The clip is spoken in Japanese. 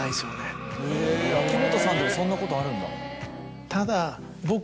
へぇ秋元さんでもそんなことあるんだ。